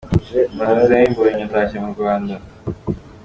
Umuhanzi Israel Mbonyi atashye mu Rwanda.